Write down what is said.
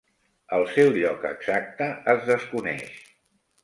El seu lloc exacte es desconeix.